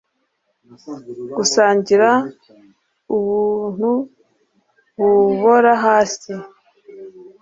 gusangira ubuntukubora hasi